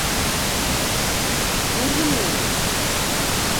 Күрҙем мин уны.